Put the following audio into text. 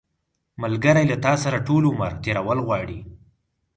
ملګری له تا سره ټول عمر تېرول غواړي